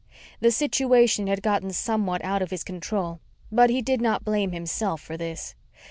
The situation had gotten somewhat out of his control, but he did not blame himself for this.